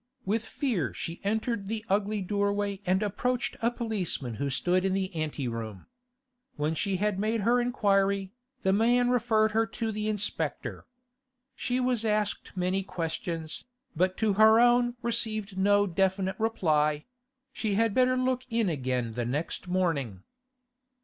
With fear she entered the ugly doorway and approached a policeman who stood in the ante room. When she had made her inquiry, the man referred her to the inspector. She was asked many questions, but to her own received no definite reply; she had better look in again the next morning.